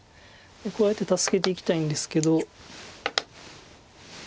こうやって助けていきたいんですけど。